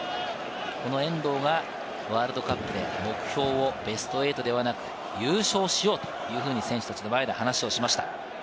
遠藤がワールドカップで目標をベスト８ではなく、優勝しようというふうに選手たちの前で話をしました。